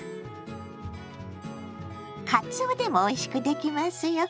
「かつお」でもおいしくできますよ。